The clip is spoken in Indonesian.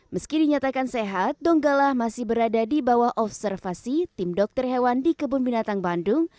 meski dinyatakan sehat donggala masih berada di bawah observasi tim dokter hewan di kebun binatang bandung